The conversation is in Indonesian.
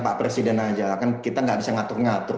pak presiden aja kan kita nggak bisa ngatur ngatur